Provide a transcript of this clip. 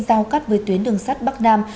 giao cắt với tuyến đường sắt bắc nam